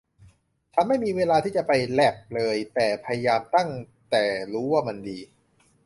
ฉันไม่มีเวลาที่จะไปแลปเลยแต่พยายามตั้งแต่รู้ว่ามันดี